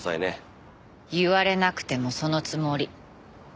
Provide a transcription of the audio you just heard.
言われなくてもそのつもり。